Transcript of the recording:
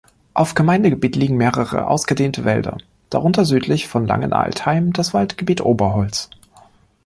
Auf Gemeindegebiet liegen mehrere ausgedehnte Wälder, darunter südlich von Langenaltheim das Waldgebiet Oberholz.